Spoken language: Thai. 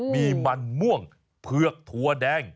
มีมันม่วงเผือกถั่วแดง